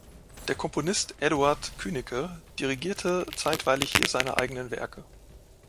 Der Komponist Eduard Künneke dirigierte zeitweilig hier seine eigenen Werke.